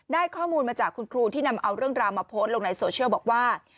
ข้อมูลมาจากคุณครูที่นำเอาเรื่องราวมาโพสต์ลงในโซเชียลบอกว่า